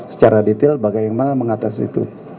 secara detail bagaimana mengatasi itu